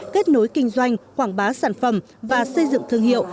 kết nối kinh doanh quảng bá sản phẩm và xây dựng thương hiệu